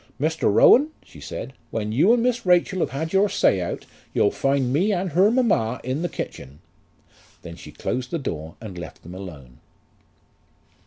"Mr. Rowan," she said, "when you and Miss Rachel have had your say out, you'll find me and her mamma in the kitchen." Then she closed the door and left them alone.